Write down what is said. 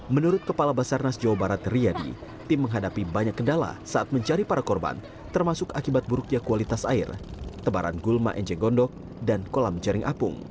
menurut kepala basarnas jawa barat riyadi tim menghadapi banyak kendala saat mencari para korban termasuk akibat buruknya kualitas air tebaran gulma enceng gondok dan kolam jaring apung